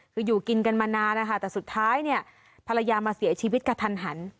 คืออยู่กินกันมานานนะคะแต่สุดท้ายเนี่ยภรรยามาเสียชีวิตกระทันหัน